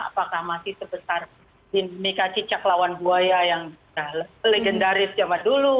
apakah masih sebesar dinamika cicak lawan buaya yang legendaris zaman dulu